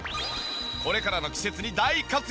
これからの季節に大活躍！